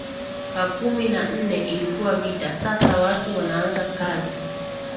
ka kumi na nne ilikuwa vita sasa watu wanaaza kazi